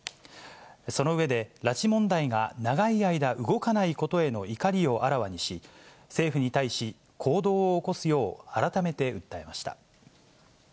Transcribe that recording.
その上で、拉致問題が長い間動かないことへの怒りをあらわにし、政府に対し、行動を起こすよう改めて訴えました。